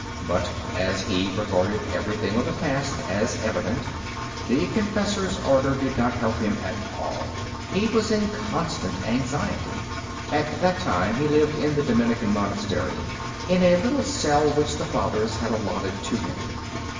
But as he regarded everything of the past as evident, the confessor's order did not help him at all. He was in constant anxiety. At that time he lived in the Dominican monastery, in a little cell which the Fathers had allotted to him.